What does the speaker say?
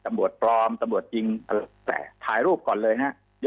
ตำบวชปรอมตำบวชจริงถ่ายรูปก่อนเลยเนี่ย